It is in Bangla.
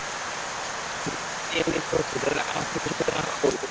ছবিটি যেসব বাচ্চা নিয়ে নির্মিত হচ্ছে, তাদের আমার শৈশবের নানা গল্প বলব।